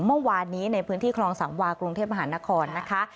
เมื่อวานนี้ในพื้นที่คลองสามวากรุงเทพมหานครนะคะ